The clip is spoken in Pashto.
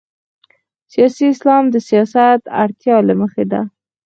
سیاسي اسلام د سیاست اړتیا له مخې ده.